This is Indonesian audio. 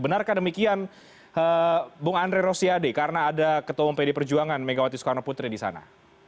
benarkah demikian bung andre rosyadi karena ada ketemu pd perjuangan megawati soekarno putri disana